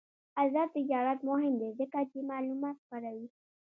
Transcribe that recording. آزاد تجارت مهم دی ځکه چې معلومات خپروي.